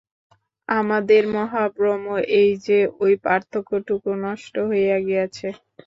আমাদের মহাভ্রম এই যে, ঐ পার্থক্যটুকু নষ্ট হইয়া গিয়াছে।